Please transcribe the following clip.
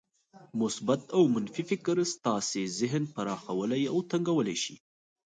مثبت او منفي فکر ستاسې ذهن پراخولای او تنګولای شي.